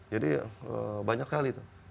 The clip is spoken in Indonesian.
jadi banyak kali itu